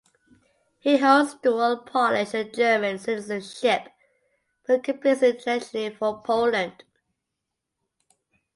He holds dual Polish and German citizenship but competes internationally for Poland.